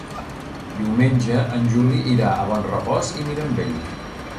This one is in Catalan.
Diumenge en Juli irà a Bonrepòs i Mirambell.